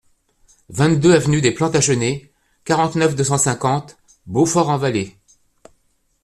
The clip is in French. vingt-deux avenue des Plantagenêts, quarante-neuf, deux cent cinquante, Beaufort-en-Vallée